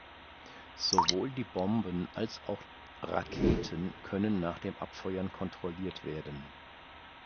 Sowohl die Bomben als auch Raketen können nach dem Abfeuern kontrolliert werden.